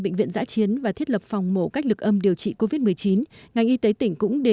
bệnh viện giã chiến và thiết lập phòng mổ cách lực âm điều trị covid một mươi chín ngành y tế tỉnh cũng đề